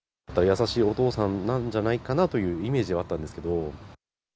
優しいお父さんなんじゃないかなというイメージはあったんですけど。